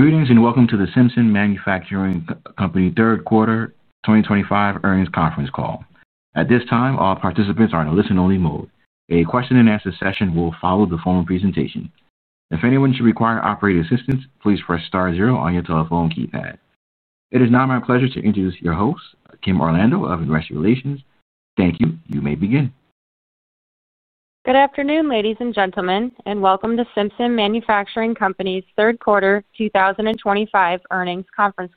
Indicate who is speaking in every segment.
Speaker 1: Greetings and welcome to the Simpson Manufacturing Company third quarter 2025 earnings conference call. At this time, all participants are in a listen-only mode. A question and answer session will follow the formal presentation. If anyone should require operating assistance, please press star zero on your telephone keypad. It is now my pleasure to introduce your host, Kim Orlando of Investor Relations. Thank you. You may begin.
Speaker 2: Good afternoon, ladies and gentlemen, and welcome to Simpson Manufacturing Company's third quarter 2025 earnings conference.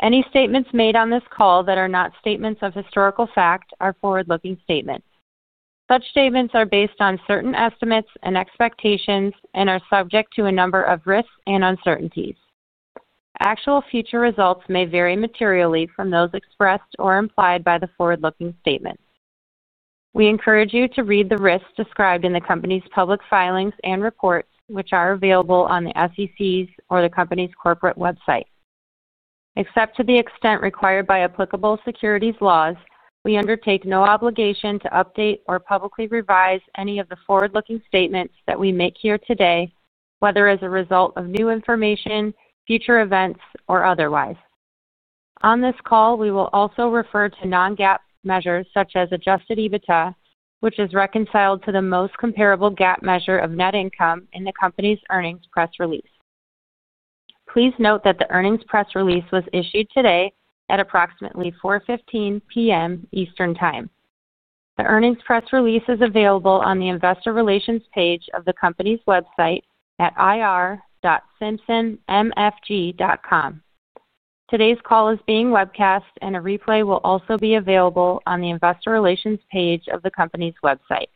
Speaker 2: Any statements made on this call that are not statements of historical fact are forward-looking statements. Such statements are based on certain estimates and expectations and are subject to a number of risks and uncertainties. Actual future results may vary materially from those expressed or implied by the forward-looking statements. We encourage you to read the risks described in the Company's public filings and reports, which are available on the SEC's or the Company's corporate website. Except to the extent required by applicable securities laws, we undertake no obligation to update or publicly revise any of the forward-looking statements that we make here today, whether as a result of new information, future events, or otherwise. On this call, we will also refer to non-GAAP measures such as adjusted EBITDA, which is reconciled to the most comparable GAAP measure of net income in the Company's earnings press release. Please note that the earnings press release was issued today at approximately 4:15 P.M. Eastern Time. The earnings press release is available on the Investor Relations page of the Company's website at ir.simpsonmfg.com. Today's call is being webcast, and a replay will also be available on the Investor Relations page of the Company's website.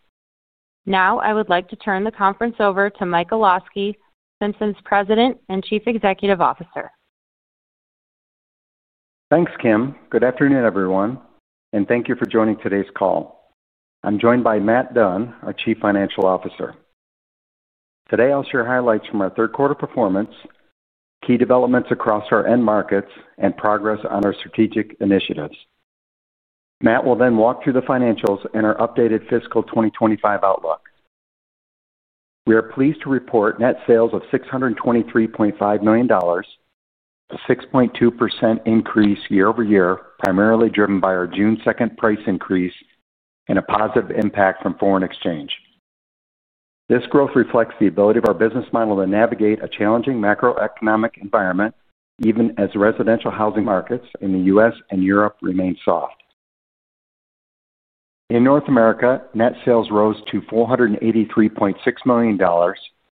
Speaker 2: Now I would like to turn the conference over to Mike Olosky, Simpson's President and Chief Executive Officer.
Speaker 3: Thanks, Kim. Good afternoon, everyone, and thank you for joining today's call. I'm joined by Matt Dunn, our Chief Financial Officer. Today I'll share highlights from our third quarter performance, key developments across our end markets, and progress on our strategic initiatives. Matt will then walk through the financials and our updated fiscal 2025 outlook. We are pleased to report net sales of $623.5 million, a 6.2% increase year-over-year, primarily driven by our June 2 price increase and a positive impact from foreign exchange. This growth reflects the ability of our business model to navigate a challenging macroeconomic environment, even as residential housing markets in the U.S. and Europe remain soft. In North America, net sales rose to $483.6 million,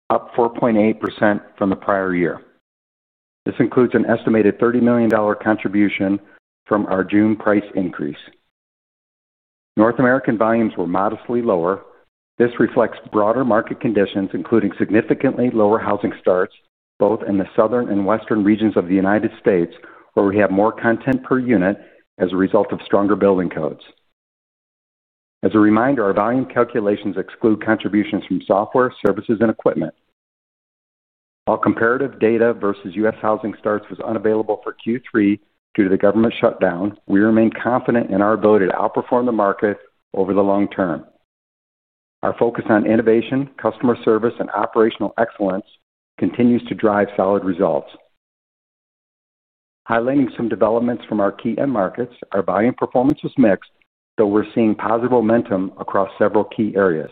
Speaker 3: up 4.8% from the prior year. This includes an estimated $30 million contribution from our June price increase. North American volumes were modestly lower. This reflects broader market conditions, including significantly lower housing starts both in the southern and western regions of the United States, where we have more content per unit as a result of stronger building codes. As a reminder, our volume calculations exclude contributions from software, services, and equipment. While comparative data versus U.S. housing starts was unavailable for Q3 due to the government shutdown, we remain confident in our ability to outperform the market over the long term. Our focus on innovation, customer service, and operational excellence continues to drive solid results, highlighting some developments from our key end markets. Our volume performance was mixed, though we're seeing positive momentum across several key areas.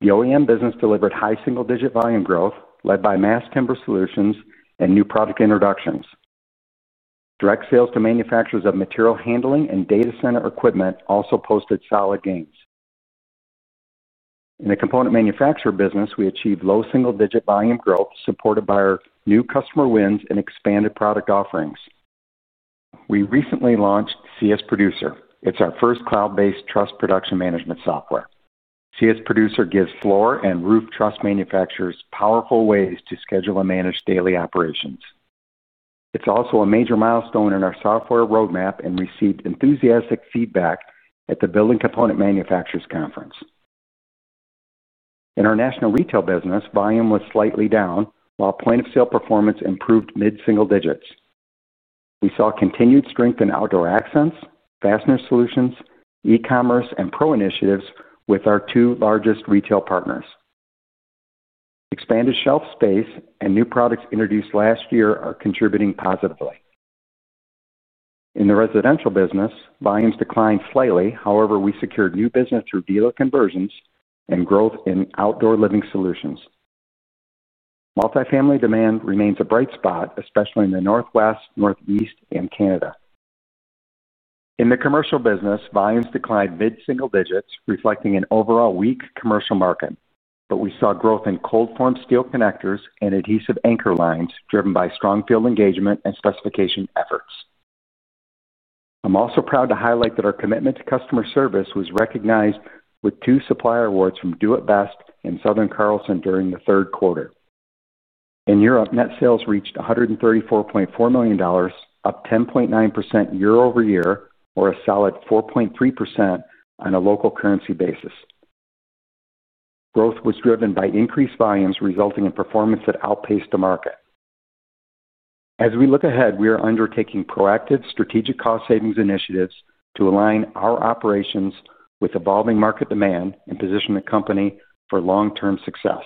Speaker 3: The OEM business delivered high single-digit volume growth led by Mass Timber solutions and new product introductions. Direct sales to manufacturers of material handling and data center equipment also posted solid gains. In the component manufacturer business, we achieved low single-digit volume growth supported by our new customer wins and expanded product offerings. We recently launched CS Producer. It's our first cloud-based truss production management software. CS Producer gives floor and roof truss manufacturers powerful ways to schedule and manage daily operations. It's also a major milestone in our software roadmap and received enthusiastic feedback at the Building Component Manufacturers Conference. In our national retail business, volume was slightly down while point of sale performance improved mid single digits. We saw continued strength in outdoor accents, fastener solutions, e-commerce and pro initiatives with our two largest retail partners. Expanded shelf space and new products introduced last year are contributing positively. In the residential business, volumes declined slightly. However, we secured new business through dealer conversions and growth in outdoor living solutions. Multifamily demand remains a bright spot, especially in the Northwest, Northeast and Canada. In the commercial business, volumes declined mid single digits, reflecting an overall weak commercial market. We saw growth in cold-formed steel connectors and adhesive anchor lines driven by strong field engagement and specification efforts. I'm also proud to highlight that our commitment to customer service was recognized with two supplier awards from Do It Best and Southern Carlson. During the third quarter in Europe, net sales reached $134.4 million, up 10.9% year-over-year or a solid 4.3% on a local currency basis. Growth was driven by increased volumes, resulting in performance that outpaced the market. As we look ahead, we are undertaking proactive strategic cost savings initiatives to align our operations with evolving market demand and position the company for long-term success.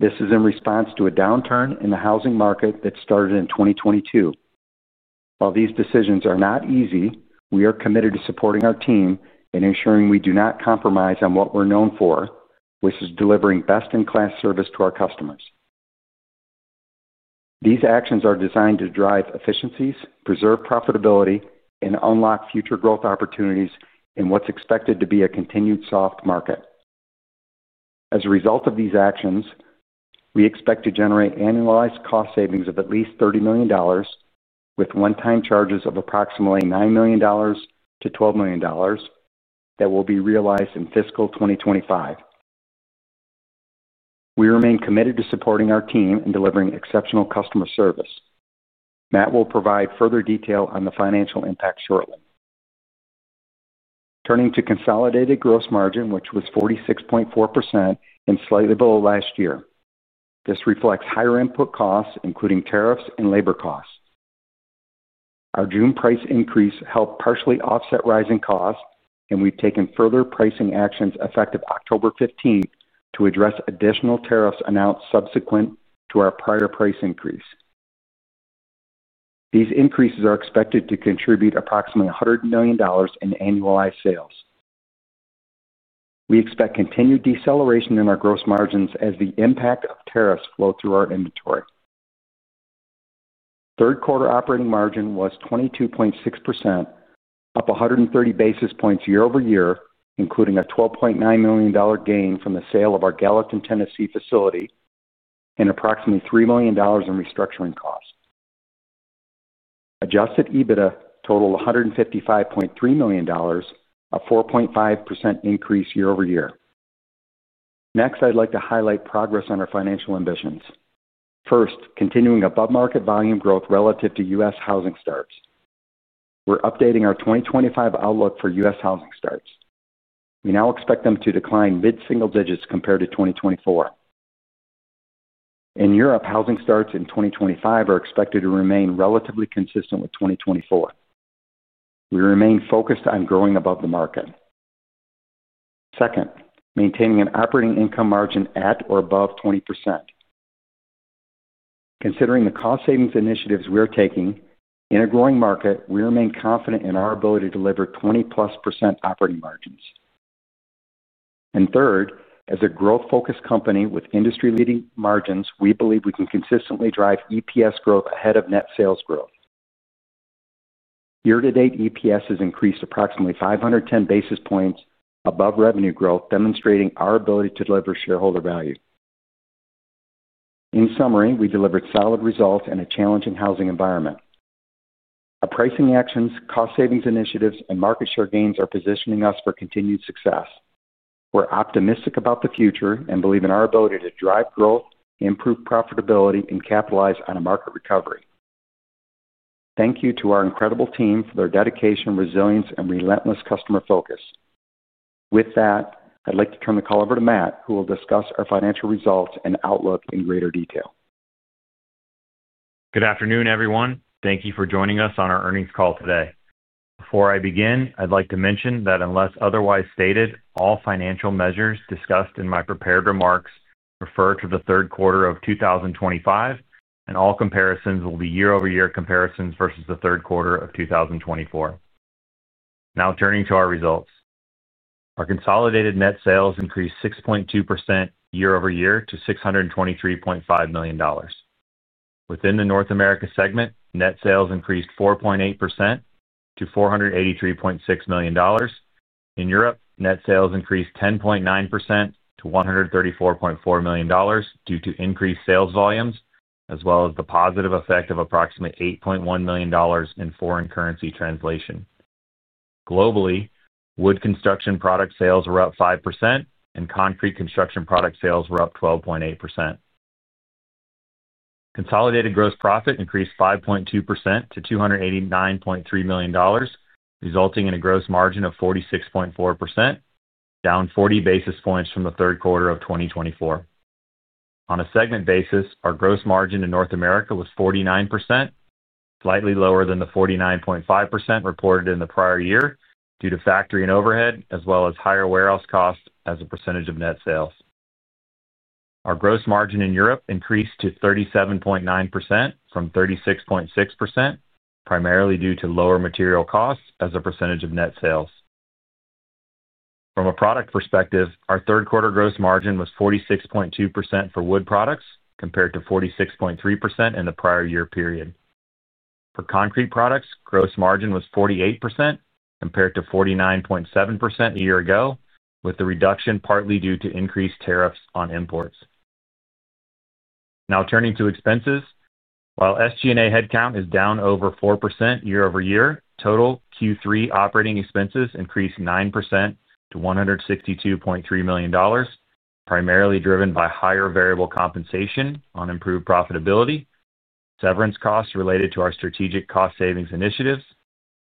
Speaker 3: This is in response to a downturn in the housing market that started in 2022. While these decisions are not easy, we are committed to supporting our team and ensuring we do not compromise on what we're known for, which is delivering best-in-class service to our customers. These actions are designed to drive efficiencies, preserve profitability and unlock future growth opportunities in what's expected to be a continued soft market. As a result of these actions, we expect to generate annualized cost savings of at least $30 million with one-time charges of approximately $9 million-$12 million that will be realized in fiscal 2025. We remain committed to supporting our team and delivering exceptional customer service. Matt will provide further detail on the financial impact shortly. Turning to consolidated gross margin, which was 46.4% and slightly below last year. This reflects higher input costs, including tariffs and labor costs. Our June price increase helped partially offset rising costs, and we've taken further pricing actions effective October 15th to address additional tariffs announced subsequent to our prior price increase. These increases are expected to contribute approximately $100 million in annualized sales. We expect continued deceleration in our gross margins as the impact of tariffs flow through our inventory. Third quarter operating margin was 22.6%, up 130 basis points year-over-year, including a $12.9 million gain from the sale of our Gallatin, Tennessee facility and approximately $3 million in restructuring costs. Adjusted EBITDA totaled $155.3 million, a 4.5% increase year-over-year. Next, I'd like to highlight progress on our financial ambitions. First, continuing above market volume growth relative to U.S. housing starts. We're updating our 2025 outlook for U.S. housing starts. We now expect them to decline mid single digits compared to 2024. In Europe, housing starts in 2025 are expected to remain relatively consistent with 2024. We remain focused on growing above the market. Second, maintaining an operating income margin at or above 20%. Considering the cost savings initiatives we are taking in a growing market, we remain confident in our ability to deliver 20%+ operating margins, and third, as a growth focused company with industry leading margins, we believe we can consistently drive EPS growth ahead of net sales growth. Year to date, EPS has increased approximately 510 basis points above revenue growth, demonstrating our ability to deliver shareholder value. In summary, we delivered solid results in a challenging housing environment. Our pricing actions, cost savings initiatives, and market share gains are positioning us for continued success. We're optimistic about the future and believe in our ability to drive growth, improve profitability, and capitalize on a market recovery. Thank you to our incredible team for their dedication, resilience, and relentless customer focus. With that, I'd like to turn the call over to Matt, who will discuss our financial results and outlook in greater detail.
Speaker 4: Good afternoon everyone. Thank you for joining us on our earnings call today. Before I begin, I'd like to mention that unless otherwise stated, all financial measures discussed in my prepared remarks refer to the third quarter of 2025, and all comparisons will be year-over-year comparisons versus the third quarter of 2024. Now turning to our results, our consolidated net sales increased 6.2% year-over-year to $623.5 million. Within the North America segment, net sales increased 4.8% to $483.6 million. In Europe, net sales increased 10.9% to $134.4 million due to increased sales volumes as well as the positive effect of approximately $8.1 million in foreign currency translation. Globally, wood construction product sales were up 5%, and concrete construction product sales were up 12.8%. Consolidated gross profit increased 5.2% to $289.3 million, resulting in a gross margin of 46.4%, down 40 basis points from the third quarter of 2024. On a segment basis, our gross margin in North America was 49%, slightly lower than the 49.5% reported in the prior year due to factory and overhead as well as higher warehouse costs. As a percentage of net sales, our gross margin in Europe increased to 37.9% from 36.6%, primarily due to lower material costs as a percentage of net sales. From a product perspective, our third quarter gross margin was 46.2% for wood products compared to 46.3% in the prior year period. For concrete products, gross margin was 48% compared to 49.7% a year ago, with the reduction partly due to increased tariffs on imports. Now turning to expenses, while SG&A headcount is down over 4% year-over-year, total Q3 operating expenses increased 9% to $162.3 million, primarily driven by higher variable compensation on improved profitability, severance costs related to our strategic cost savings initiatives,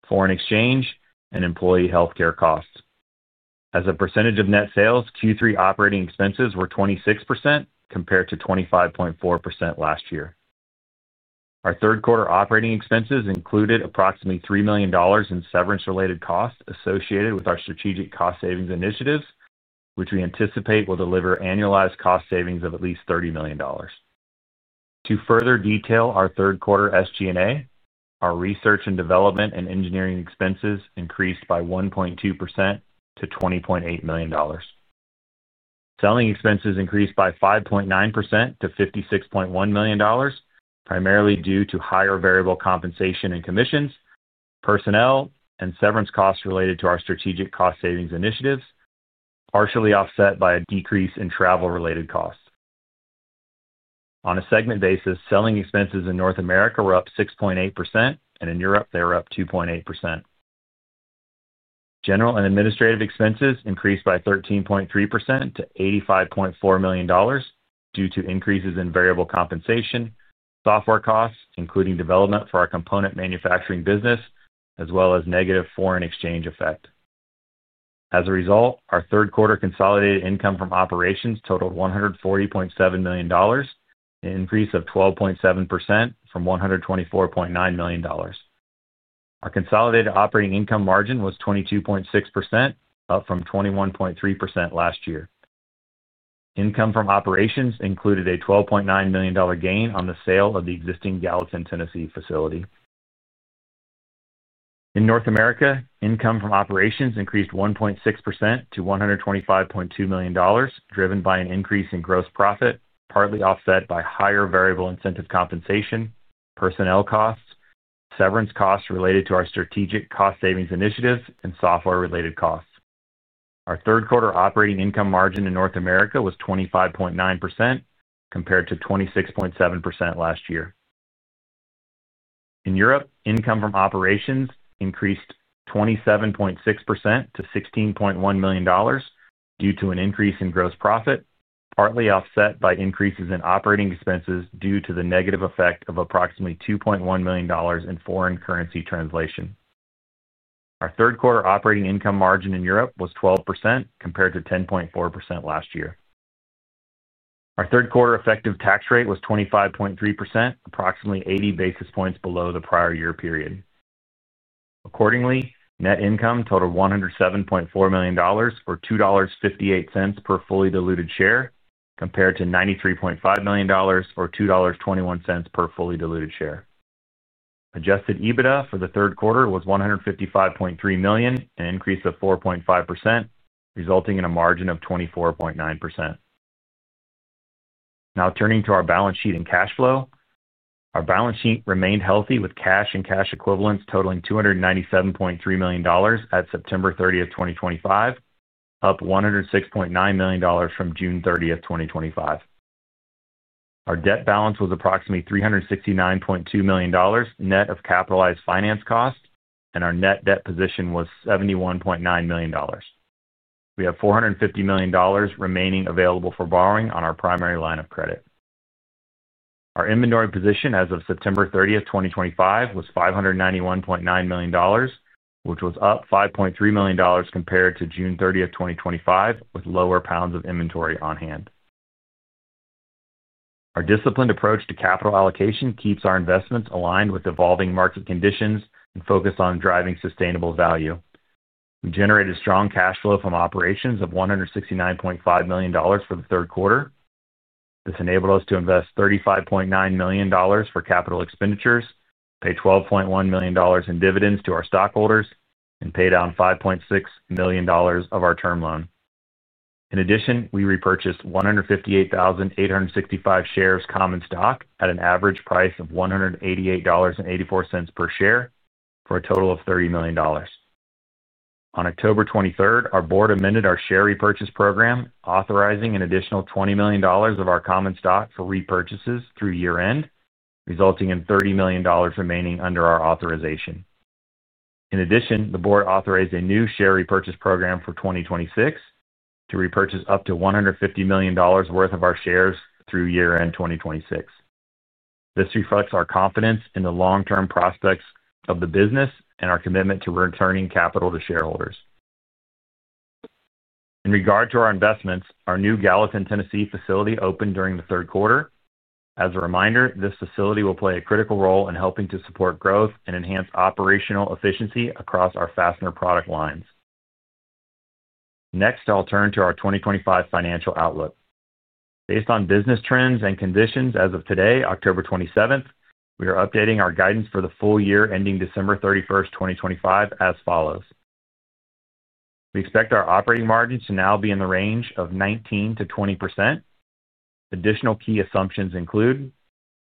Speaker 4: foreign exchange, and employee health care costs. As a percentage of net sales, Q3 operating expenses were 26% compared to 25.4% last year. Our third quarter operating expenses included approximately $3 million in severance related costs associated with our strategic cost savings initiatives, which we anticipate will deliver annualized cost savings of at least $30 million. To further detail our third quarter SG&A, our research and development and engineering expenses increased by 1.2% to $20.8 million. Selling expenses increased by 5.9% to $56.1 million primarily due to higher variable compensation and commissions, personnel and severance costs related to our strategic cost savings initiatives, partially offset by a decrease in travel-related costs. On a segment basis, selling expenses in North America were up 6.8% and in Europe they were up 2.8%. General and administrative expenses increased by 13.3% to $85.4 million due to increases in variable compensation, software costs including development for our component manufacturing business, as well as negative foreign exchange effect. As a result, our third quarter consolidated income from operations totaled $140.7 million, an increase of 12.7% from $124.9 million. Our consolidated operating income margin was 22.6%, up from 21.3% last year. Income from operations included a $12.9 million gain on the sale of the existing Gallatin, Tennessee facility in North America. Income from operations increased 1.6% to $125.2 million, driven by an increase in gross profit, partly offset by higher variable incentive compensation, personnel costs, severance costs related to our strategic cost savings initiatives, and software-related costs. Our third quarter operating income margin in North America was 25.9% compared to 26.7% last year. In Europe, income from operations increased 27.6% to $16.1 million due to an increase in gross profit, partly offset by increases in operating expenses due to the negative effect of approximately $2.1 million in foreign currency translation. Our third quarter operating income margin in Europe was 12% compared to 10.4% last year. Our third quarter effective tax rate was 25.3%, approximately 80 basis points below the prior year period. Accordingly, net income totaled $107.4 million or $2.58 per fully diluted share compared to $93.5 million or $2.21 per fully diluted share. Adjusted EBITDA for the third quarter was $155.3 million, an increase of 4.5%, resulting in a margin of 24.9%. Now, turning to our balance sheet and cash flow, our balance sheet remained healthy with cash and cash equivalents totaling $297.3 million at September 30, 2025, up $106.9 million from June 30, 2025. Our debt balance was approximately $369.2 million net of capitalized finance cost and our net debt position was $71.9 million. We have $450 million remaining available for borrowing on our primary line of credit. Our inventory position as of September 30, 2025 was $591.9 million, which was up $5.3 million compared to June 30, 2025, with lower pounds of inventory on hand. Our disciplined approach to capital allocation keeps our investments aligned with evolving market conditions and focused on driving sustainable value. We generated strong cash flow from operations of $169.5 million for the third quarter. This enabled us to invest $35.9 million for capital expenditures, pay $12.1 million in dividends to our stockholders, and pay down $5.6 million of our term loan. In addition, we repurchased 158,865 shares of common stock at an average price of $188.84 per share, for a total of $30 million. On October 23, our Board amended our share repurchase program authorizing an additional $20 million of our common stock for repurchases through year end, resulting in $30 million remaining under our authorization. In addition, the Board authorized a new share repurchase program for 2026 to repurchase up to $150 million worth of our shares through year end 2026. This reflects our confidence in the long term prospects of the business and our commitment to returning capital to shareholders. In regard to our investments, our new Gallatin, Tennessee facility opened during the third quarter. As a reminder, this facility will play a critical role in helping to support growth and enhance operational efficiency across our fastener product lines. Next, I'll turn to our 2025 financial outlook based on business trends and conditions as of today, October 27. We are updating our guidance for the full year ending December 31, 2025 as follows. We expect our operating margins to now be in the range of 19%-20%. Additional key assumptions include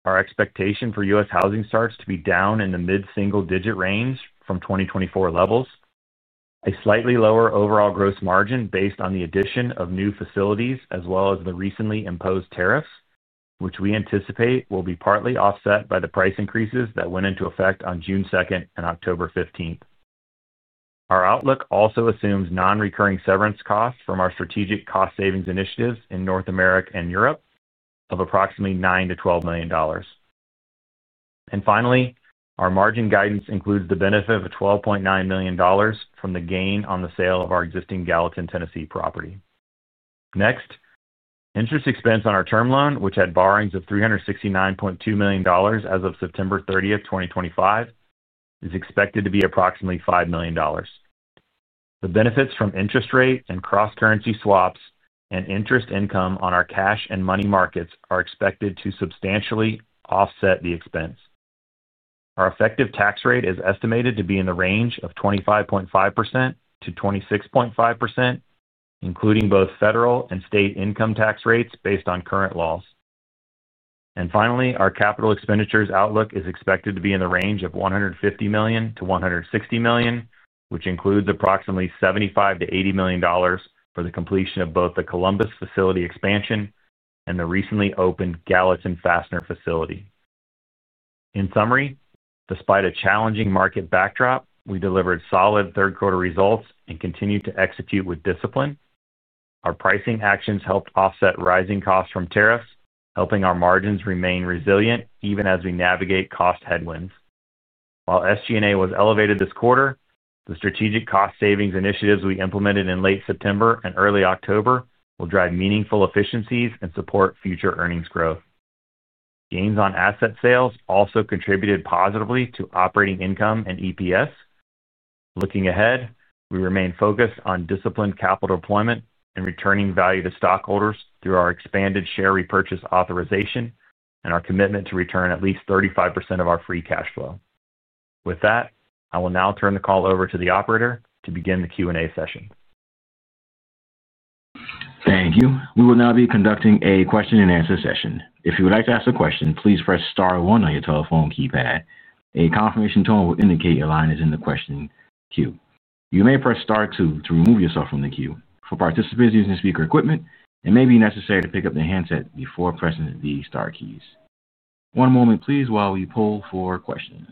Speaker 4: our expectation for U.S. housing starts to be down in the mid single digit range from 2024 levels, a slightly lower overall gross margin based on the addition of new facilities, as well as the recently imposed tariffs, which we anticipate will be partly offset by the price increases that went into effect on June 2 and October 15. Our outlook also assumes non-recurring severance costs from our strategic cost savings initiatives in North America and Europe of approximately $9 million-$12 million. Finally, our margin guidance includes the benefit of $12.9 million from the gain on the sale of our existing Gallatin, Tennessee property. Next, interest expense on our term loan, which had borrowings of $369.2 million as of September 30, 2025, is expected to be approximately $5 million. The benefits from interest rate and cross currency swaps and interest income on our cash and money markets are expected to substantially offset the expense. Our effective tax rate is estimated to be in the range of 25.5%-26.5%, including both federal and state income tax rates based on current laws. Finally, our capital expenditures outlook is expected to be in the range of $150 million-$160 million, which includes approximately $75 million-$80 million for the completion of both the Columbus facility expansion and the recently opened Gallatin Fastener facility. In summary, despite a challenging market backdrop, we delivered solid third quarter results and continued to execute with discipline. Our pricing actions helped offset rising costs from tariffs, helping our margins remain resilient even as we navigate cost headwinds. While SG&A was elevated this quarter, the strategic cost savings initiatives we implemented in late September and early October will drive meaningful efficiencies and support future earnings growth. Gains on asset sales also contributed positively to operating income and EPS. Looking ahead, we remain focused on disciplined capital deployment and returning value to stockholders through our expanded share repurchase authorization and our commitment to return at least 35% of our free cash flow. With that, I will now turn the call over to the operator to begin the Q&A session.
Speaker 1: Thank you. We will now be conducting a question and answer session. If you would like to ask a question, please press star one on your telephone keypad. A confirmation tone will indicate your line is in the question queue. You may press star two to remove yourself from the queue. For participants using speaker equipment, it may be necessary to pick up the handset before pressing the star keys. One moment, please, while we poll for questions.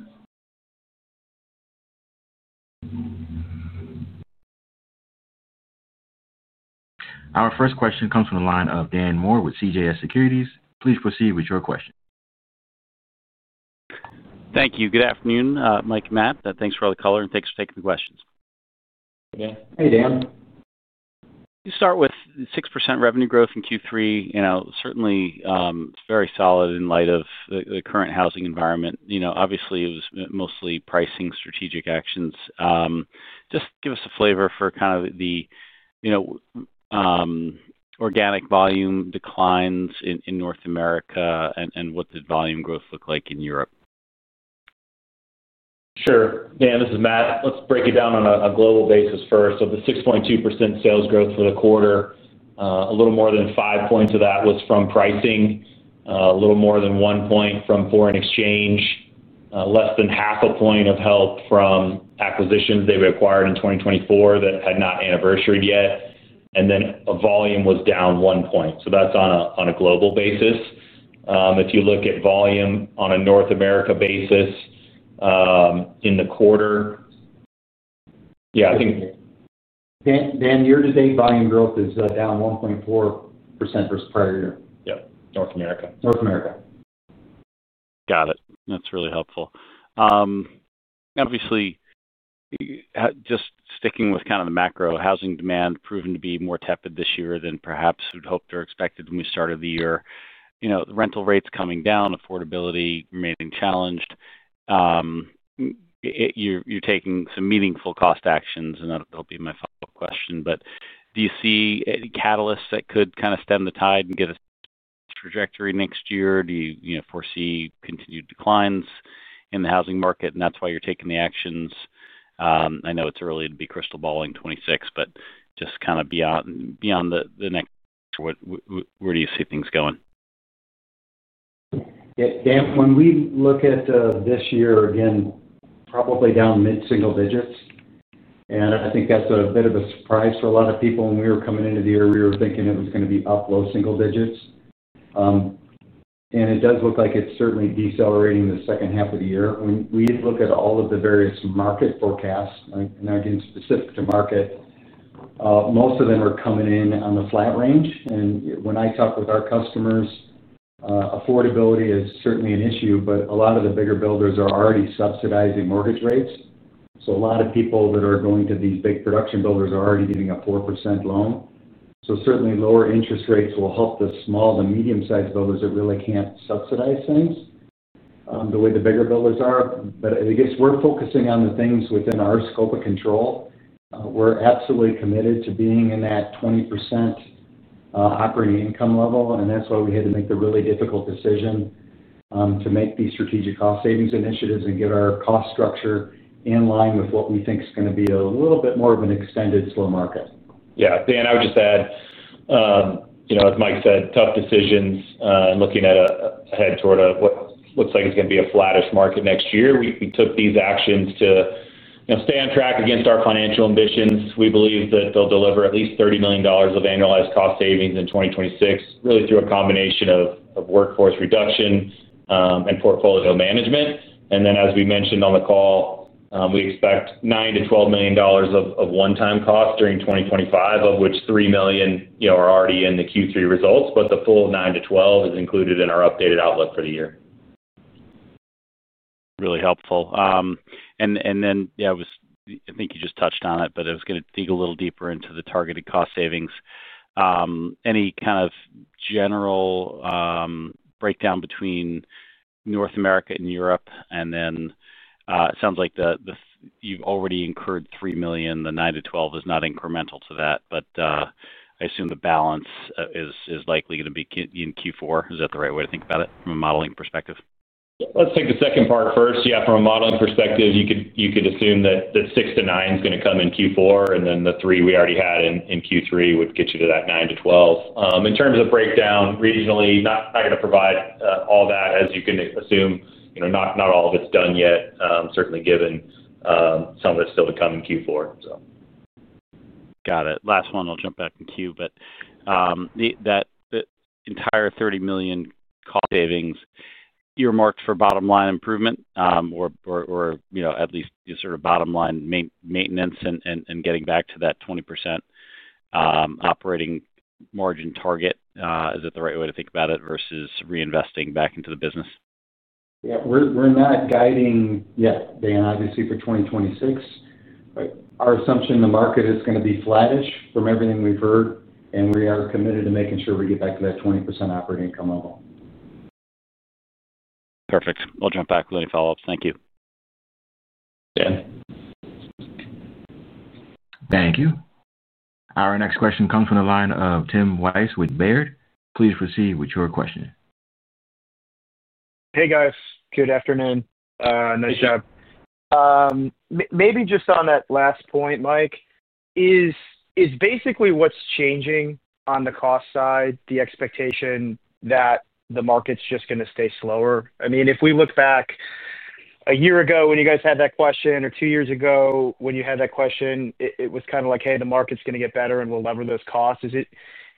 Speaker 1: Our first question comes from the line of Dan Moore with CJS Securities. Please proceed with your question.
Speaker 5: Thank you. Good afternoon, Mike and Matt. Thanks for all the color and thanks for taking the questions.
Speaker 3: Hey Dan.
Speaker 5: You start with 6% revenue growth in Q3. You know, certainly very solid in light of the current housing environment. Obviously, it was mostly pricing strategic actions. Just give us a feel for kind of the organic volume declines in North America, and what did volume growth look like in Europe?
Speaker 4: Sure. Dan, this is Matt. Let's break it down on a global basis first. The 6.2% sales growth for the quarter, a little more than five points of that was from pricing, a little more than one point from foreign exchange, and less than half a point of help from acquisitions they've acquired in 2024 that had not anniversary yet. Volume was down one point. That's on a global basis. If you look at volume on a North America basis in the quarter.
Speaker 3: Dan. Year to date volume growth is down 1.4% versus prior year.
Speaker 5: Yep. North America.
Speaker 3: North America.
Speaker 5: Got it. That's really helpful. Obviously, just sticking with kind of the macro, housing demand has proven to be more tepid this year than perhaps we'd hoped or expected when we started the year. You know, rental rates coming down, affordability remaining challenged. You're taking some meaningful cost actions and that'll be my follow-up question. Do you see any catalysts that could kind of stem the tide and get us trajectory next year? Do you foresee continued declines in the housing market and that's why you're taking the actions? I know it's early to be crystal balling 2026, but just kind of beyond the next. Where do you see things going?
Speaker 3: Dan, When we look at this year, again probably down mid single digits, and I think that's a bit of a surprise for a lot of people. When we were coming into the year, we were thinking it was going to be up low single digits, and it does look like it's certainly decelerating the second half of the year. When we look at all of the various market forecasts, not getting specific to market, most of them are coming in on the flat range. When I talk with our customers, affordability is certainly an issue. A lot of the bigger builders are already subsidizing mortgage rates. A lot of people that are going to these big production builders are already getting a 4% loan. Certainly, lower interest rates will help the small to medium sized builders that really can't subsidize things the way the bigger builders are. I guess we're focusing on the things within our scope of control. We're absolutely committed to being in that 20% operating income level. That's why we had to make the really difficult decision to make these strategic cost savings initiatives and get our cost structure in line with what we think is going to be a little bit more of an extended slow market.
Speaker 4: Yeah, Dan, I would just add, you know, as Mike said, tough decisions and looking ahead toward what looks like it's going to be a flattish market next year. We took these actions to stay on track against our financial ambitions. We believe that they'll deliver at least $30 million of annualized cost savings in 2026, really through a combination of workforce reduction and portfolio management. As we mentioned on the call, we expect $9 million-$12 million of one-time cost during 2025, of which $3 million are already in the Q3 results. The full $9 million-$12 million is included in our updated outlook for the year.
Speaker 5: Really helpful. I think you just touched on it, but I was going to dig a little deeper into the targeted cost savings. Any kind of general breakdown between North America and Europe? It sounds like you've already incurred $3 million. The $9 million-$12 million is not incremental to that, but I assume the balance is likely going to be in Q4. Is that the right way to think about it from a modeling perspective?
Speaker 4: Let's take the second part first. From a modeling perspective, you could assume that $6 million-$9 million is going to come in Q4, and then the $3 million we already had in Q3 would get you to that $9 million-$12 million in terms of breakdown regionally. Not going to provide all that, as you can assume, not all of it's done yet. Certainly, given some of it's still to come in Q4.
Speaker 5: Got it. Last one. I'll jump back in queue. Is that entire $30 million cost savings earmarked for bottom line improvement or at least sort of bottom line maintenance and getting back to that 20% operating margin target, is it the right way to think about it versus reinvesting back into the business?
Speaker 3: Yeah, we're not guiding yet, Dan. Obviously for 2026, our assumption is the market is going to be flattish from everything we've heard, and we are committed to making sure we get back to that 20% operating income level.
Speaker 5: Perfect. I'll jump back with any follow ups. Thank you.
Speaker 3: Dan.
Speaker 1: Thank you. Our next question comes from the line of Tim Wojs with Baird. Please proceed with your question.
Speaker 6: Hey guys, good afternoon. Nice job. Maybe just on that last point, Mike, is basically what's changing on the cost side the expectation that the market's just going to stay slower? I mean, if we look back a year ago when you guys had that question, or two years ago when you had that question, it was kind of like, hey, the market's going to get better and we'll lever those costs. Is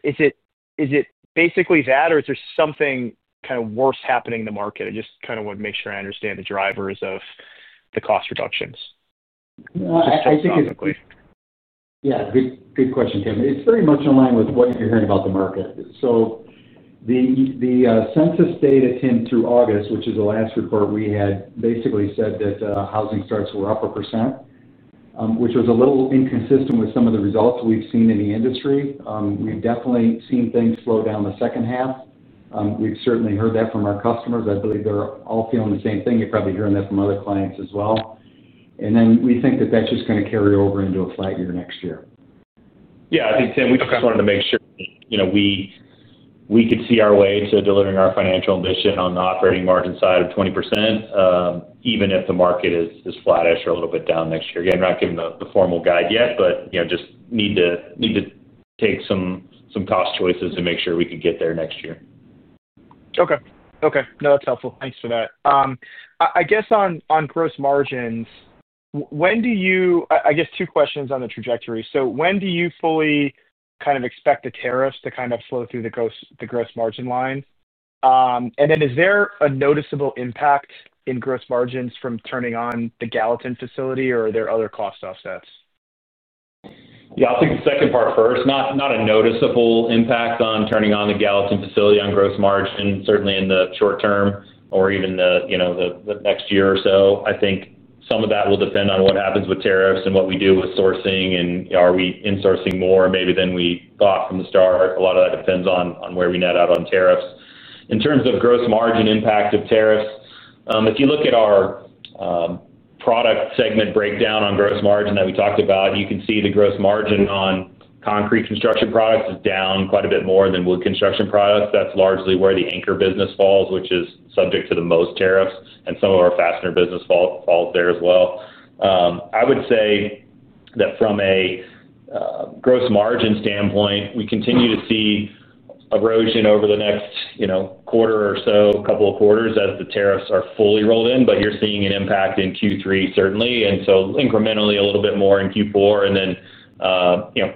Speaker 6: it basically that, or is there something kind of worse happening in the market? I just want to make sure I understand the drivers of the cost reductions.
Speaker 3: Yeah, good question, Tim. It's very much in line with what you're hearing about the market. The census data came through August, which is the last report we had, basically said that housing starts were up a percent, which was a little inconsistent with some of the results we've seen in the industry. We've definitely seen things slow down the second half. We've certainly heard that from our customers. I believe they're all feeling the same thing. You're probably hearing that from other clients as well. We think that that's just going to carry over into a flat year next year.
Speaker 4: I think, Tim, we just wanted to make sure we could see our way to delivering our financial ambition on the operating margin side of 20%, even if the market is flattish or a little bit down next year. Again, not giving the formal guide yet, but just need to take some cost choices and make sure we could get there next year.
Speaker 6: Okay. Okay. No, that's helpful. Thanks for that. I guess on gross margins, when do you. I guess two questions on the trajectory. When do you fully kind of expect the tariffs to kind of flow through the gross margin line? Is there a noticeable impact in gross margins from turning on the Gallatin facility, or are there other cost offsets?
Speaker 4: I'll take the second part first. Not a noticeable impact on turning on the Gallatin facility on gross margin, certainly in the short term or even the next year or so. I think some of that will depend on what happens with tariffs and what we do with sourcing. Are we insourcing more maybe than we bought from the start? A lot of that depends on where we net out on tariffs in terms of gross margin, impact of tariffs. If you look at our product segment breakdown on gross margin that we talked about, you can see the gross margin on concrete construction products is down quite a bit more than wood construction products. That's largely where the anchor business falls, which is subject to the most tariffs. Some of our fastener business falls there as well. I would say that from a gross margin standpoint, we continue to see erosion over the next quarter or so, couple of quarters as the tariffs are fully rolled in. You're seeing an impact in Q3, certainly, and incrementally a little bit more in Q4 and then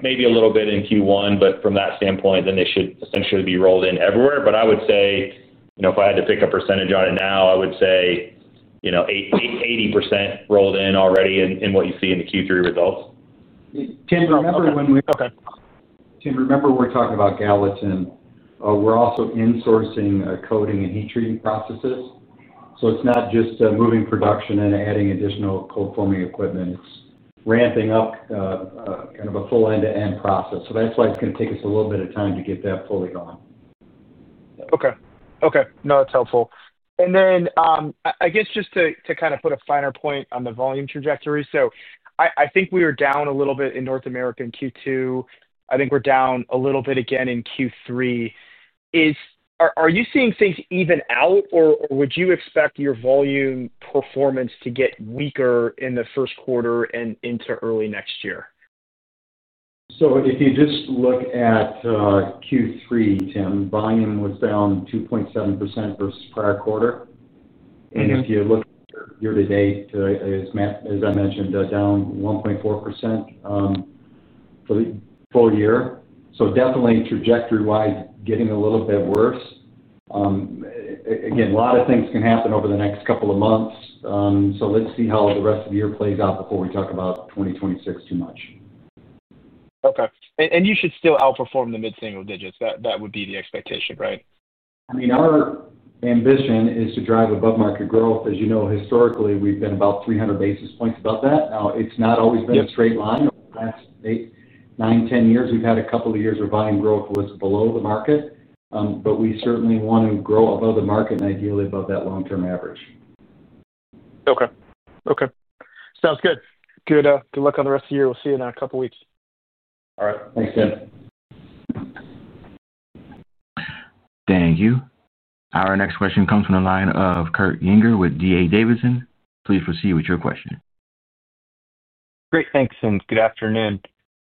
Speaker 4: maybe a little bit in Q1. From that standpoint, they should essentially be rolled in everywhere. I would say if I had to pick a percentage on it now, I would say 80% rolled in already in what you see in the Q3 results.
Speaker 3: Tim, remember we're talking about Gallatin. We're also insourcing, coating, and heat treating processes. It's not just moving production and adding additional cold-forming equipment. It's ramping up kind of a full end-to-end process, which is why it's going to take us a little bit of time to get that fully going.
Speaker 6: That's helpful. I guess just to kind of put a finer point on the volume trajectory, we were down a little bit in North America in Q2. I think we're down a little bit again in Q3. Are you seeing things even out, or would you expect your volume performance to get weaker in the first quarter and into early next year?
Speaker 3: If you just look at Q3, Tim, volume was down 2.7% versus prior quarter. If you look year to date, as I mentioned, down 1.4% for the full year. Trajectory wise, definitely getting a little bit worse. Again, a lot of things can happen over the next couple of months. Let's see how the rest of the year plays out before we talk about 2026 too much.
Speaker 6: Okay. You should still outperform the mid single digits. That would be the expectation, right?
Speaker 3: I mean our ambition is to drive above market growth. As you know, historically we've been about 300 basis points above that. Now it's not always been a straight line. Eight, nine, ten years. We've had a couple of years where volume growth was below the market, but we certainly want to grow above the market and ideally above that long-term average.
Speaker 6: Okay. Okay, sounds good. Good luck on the rest of the year. We'll see you in a couple of weeks.
Speaker 3: All right, thanks Tim.
Speaker 1: Thank you. Our next question comes from the line of Kurt Yinger with D.A. Davidson. Please proceed with your question.
Speaker 7: Great, thanks. Good afternoon.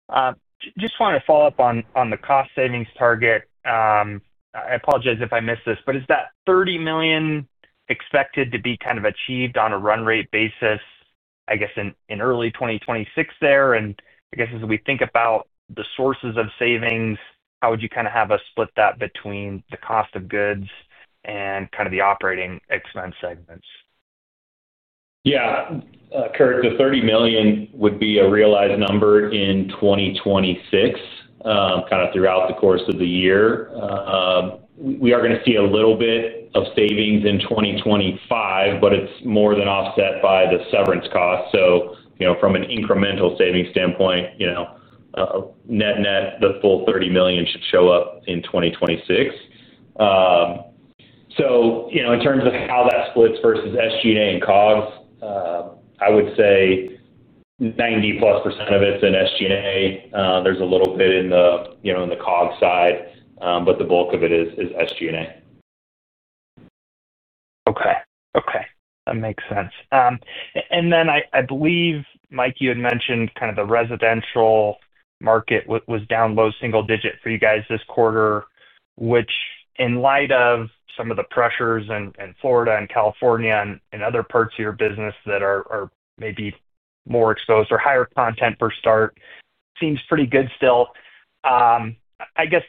Speaker 7: I just wanted to follow up on the cost savings target. I apologize if I missed this, but is that $30 million expected to be kind of achieved on a run rate basis, I guess in early 2026 there? As we think about the sources of savings, how would you kind of have us split that between the cost of goods and kind of the operating expense segments?
Speaker 4: Yeah, Kurt, the $30 million would be a realized number in 2026, kind of throughout the course of the year. We are going to see a little bit of savings in 2025, but it's more than offset by the severance cost. From an incremental savings standpoint, net, net, the full $30 million should show up in 2026. In terms of how that splits versus SG&A and COGS, I would say 90%+ of it's in SG&A. There's a little bit in the, you know, in the COGS side, but the bulk of it is SG&A.
Speaker 7: Okay, that makes sense. I believe Mike, you had mentioned kind of the residential market was down low single digit for you guys this quarter, which in light of some of the pressures in Florida and California and other parts of your business are maybe more exposed or higher content for start seems pretty good still, I guess.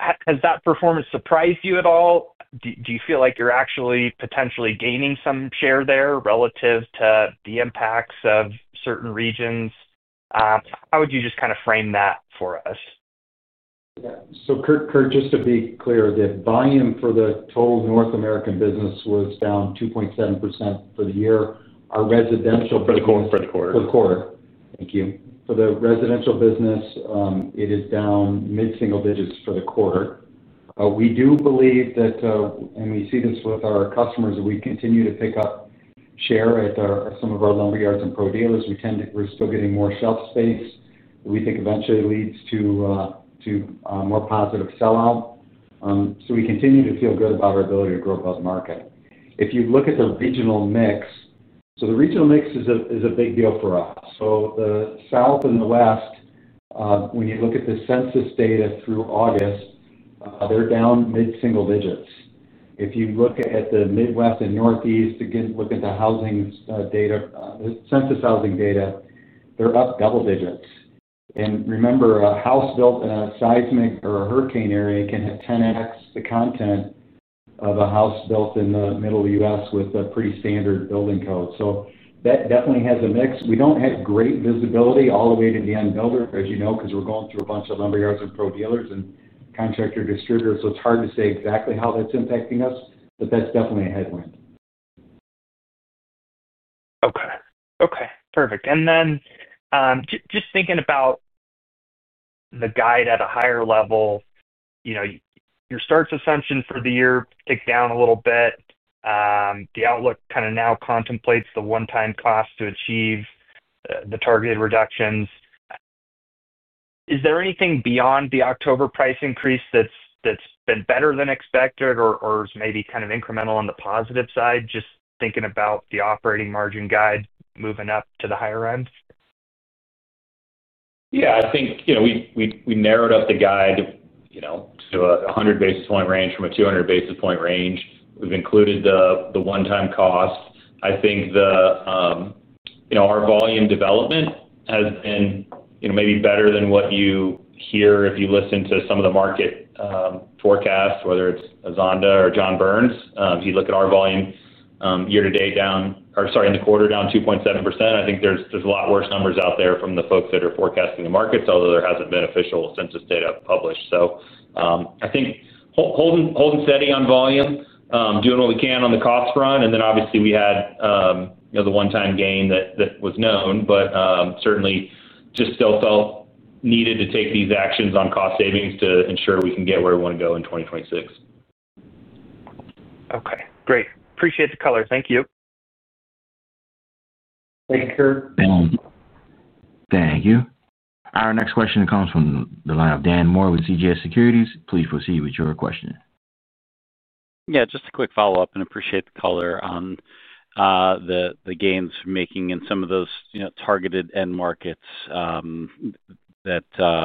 Speaker 7: Has that performance surprised you at all? Do you feel like you're actually potentially gaining some share there relative to the impacts of certain regions? How would you just kind of frame that for us?
Speaker 3: Kurt, just to be clear, the volume for the total North American business was down 2.7% for the year. Our residential for the quarter. Thank you. For the residential business, it is down mid single digits for the quarter. We do believe that and we see this with our customers. We continue to pick up share at some of our lumber yards and pro dealers. We're still getting more shelf space we think eventually leads to more positive sellout. We continue to feel good about our ability to grow above market. If you look at the regional mix, the regional mix is a big deal for us. The South and the West, when you look at the census data through August, they're down mid single digits. If you look at the Midwest and Northeast, again, look at the housing data, census housing data, they're up double digits. Remember, a house built in a seismic or hurricane area can have 10x the content of a house built in the middle of the U.S. with a pretty standard building code. That definitely has a mix. We don't have great visibility all the way to the end builder, as you know, because we're going through a bunch of lumber yards and pro dealers and contractor distributors. It's hard to say exactly how that's impacting us, but that's definitely a headwind.
Speaker 7: Okay. Okay, perfect. Just thinking about the guide at a higher level, you know your starts assumption for the year kicked down a little bit. The outlook kind of now contemplates the one-time cost to achieve the targeted reductions. Is there anything beyond the October price increase that's been better than expected is maybe kind of incremental on the positive side, just thinking about the operating margin guide moving up to the higher end?
Speaker 4: Yeah, I think, you know, we narrowed up the guide to a 100 basis point range from a 200 basis point range. We've included the one-time cost. I think our volume development has been maybe better than what you hear if you listen to some of the market forecasts, whether it's a Zonda or John Burns. If you look at our volume year to date down, or sorry, in the quarter down 2.7%, I think there's a lot worse numbers out there from the folks that are forecasting the markets, although there hasn't been official census data published. I think holding steady on volume, doing what we can on the cost front. Obviously, we had the one-time gain that was known but certainly still felt needed to take these actions on cost savings to ensure we can get where we want to go in 2026.
Speaker 7: Okay, great. Appreciate the color. Thank you.
Speaker 1: Thank you. Our next question comes from the line of Dan Moore with CJS Securities. Please proceed with your question.
Speaker 5: Yeah, just a quick follow-up and appreciate the color on the gains making in some of those targeted end markets that are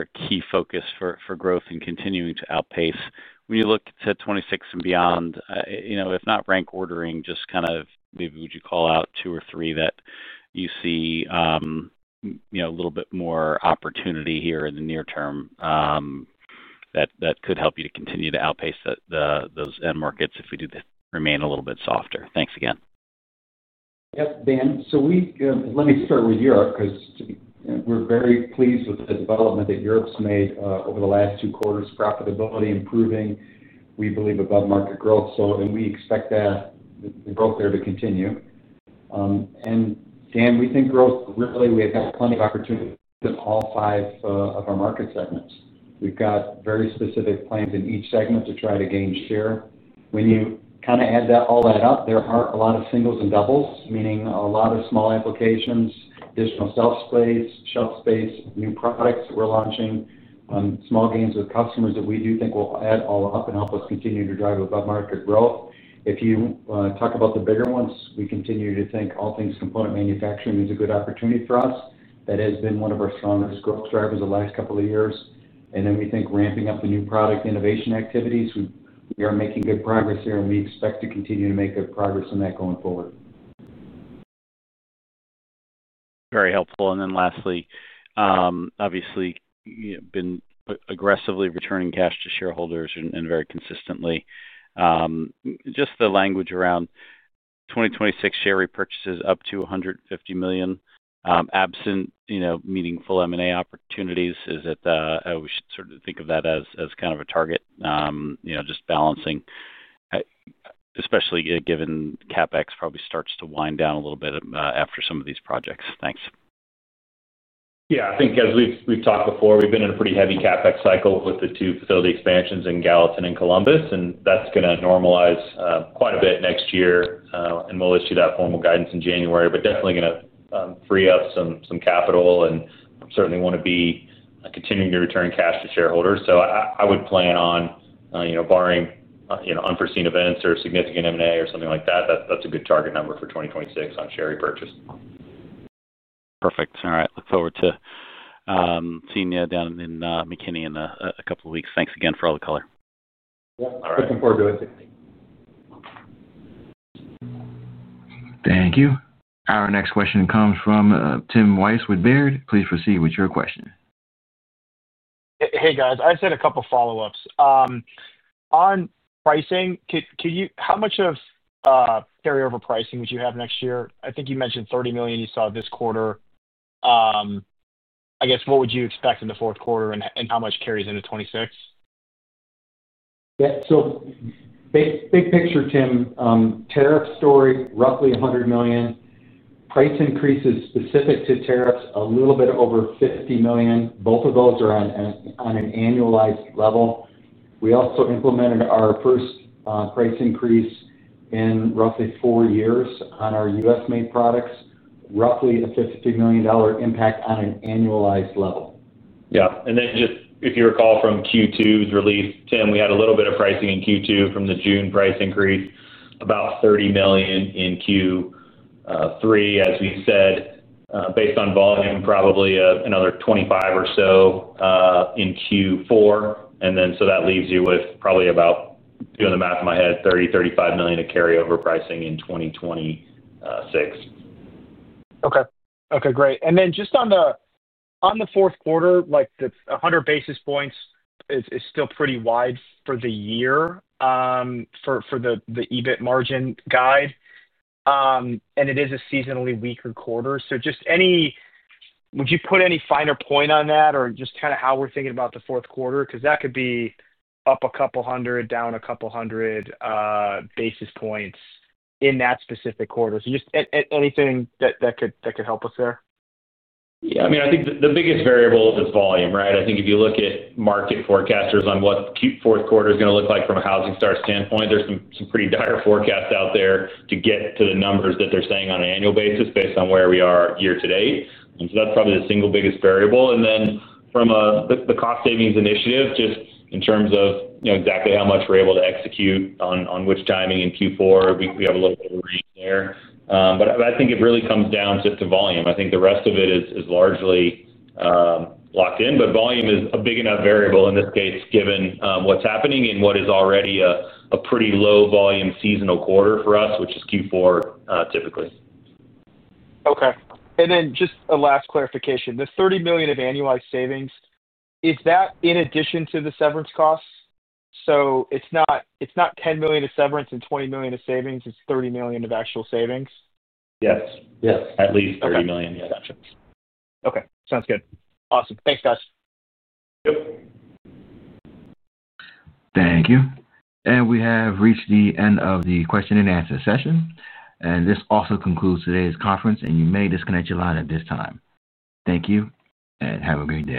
Speaker 5: a key focus for growth and continuing to outpace. When you look to 2026 and beyond, if not rank ordering, just kind of maybe would you call out two or three that you see a little bit more opportunity here in the near term that could help you to continue to outpace those end markets if we do remain a little bit softer. Thanks again.
Speaker 3: Dan. Let me start with Europe because we're very pleased with the development that Europe has made over the last two quarters. Profitability improvements are improving, we believe above market growth. We expect that the growth there to continue. Dan, we think growth really, we have plenty of opportunity in all five of our market segments. We've got very specific plans in each segment to try to gain share. When you kind of add all that up, there are a lot of singles. Doubles, meaning a lot of small applications, additional shelf space, new products. We're launching small gains with customers that we do think will add all up and help us continue to drive above market growth. If you talk about the bigger ones, we continue to think all things component manufacturing is a good opportunity for us. That has been one of our strongest growth drivers the last couple of years, and we think ramping up the new product innovation activities. We are making good progress here, and we expect to continue to make good progress in that going forward.
Speaker 5: Very helpful. Lastly, obviously been aggressively returning cash to shareholders and very consistently just the language around 2026 share repurchases up to $150 million absent, you know, meaningful M&A opportunities. Is it we should sort of think of that as kind of a target, you know, just balancing, especially given CapEx probably starts to wind down a little bit after some of these projects. Thanks.
Speaker 4: I think as we've talked before, we've been in a pretty heavy CapEx cycle with the 2 facility expansions in Gallatin and Columbus, and that's going to normalize quite a bit next year. We'll issue that formal guidance in January, but definitely going to free up some capital and certainly want to be continuing to return cash to shareholders. I would plan on, barring unforeseen events or significant M&A or something like that, that's a good target number for 2026 on share repurchase.
Speaker 5: Perfect. All right, look forward to seeing you down in McKinney in a couple of weeks. Thanks again for all the color.
Speaker 4: Looking forward to it.
Speaker 1: Thank you. Our next question comes from Tim Wojs with Baird. Please proceed with your question.
Speaker 6: Hey guys, I had a couple follow-ups on pricing. How much of carryover pricing would you have next year? I think you mentioned $30 million you saw this quarter. I guess what would you expect in the fourth quarter, and how much carries into 2026?
Speaker 3: Big picture, Tim, tariff story. Roughly $100 million price increases specific to tariffs, a little bit over $50 million. Both of those are on an annualized level. We also implemented our first price increase in roughly four years on our U.S.-made products. Roughly a $50 million impact on an annualized level.
Speaker 4: Yeah. If you recall from Q2's release, Tim, we had a little bit of pricing in Q2 from the June price increase, about $30 million in Q3, as we said, based on volume, probably another $25 million or so in Q4. That leaves you with probably about, doing the math in my head, $30 million-$35 million of carryover pricing in 2026.
Speaker 6: Okay. Okay, great. Just on the fourth quarter, like 100 basis points is still pretty wide for the year for the EBIT margin guide and it is a seasonally weaker quarter. Would you put any finer point on that or just kind of how we're thinking about the fourth quarter? That could be up a couple hundred, down a couple hundred basis points in that specific quarter. Anything that could help us there?
Speaker 4: Yeah, I mean, I think the biggest variable is volume. Right. I think if you look at market forecasters on what fourth quarter is going to look like from a housing start standpoint, there are some pretty dire forecasts out there to get to the numbers that they're saying on an annual basis based on where we are year to date. That's probably the single biggest variable. From the cost savings initiative, just in terms of exactly how much we're able to execute on which timing in Q4, we have a little bit of a range there, but I think it really comes down to volume. I think the rest of it is largely locked in, but volume is a big enough variable in this case, given what's happening in what is already a pretty low volume seasonal quarter for us, which is Q4 typically.
Speaker 6: Okay. Just a last clarification. The $30 million of annualized savings, is that in addition to the severance costs? It's not $10 million of severance and $20 million of savings, it's $30 million of actual savings.
Speaker 3: Yes. Yes.
Speaker 4: At least $30 million.
Speaker 6: Okay, sounds good. Awesome. Thanks guys.
Speaker 1: Thank you. We have reached the end of the question and answer session. This also concludes today's conference. You may disconnect your line at this time. Thank you and have a great day.